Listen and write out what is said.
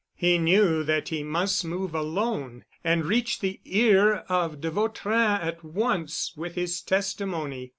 He knew that he must move alone and reach the ear of de Vautrin at once with his testimony.